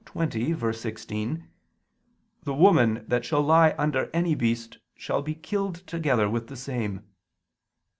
20:16): "The woman that shall lie under any beast, shall be killed together with the same."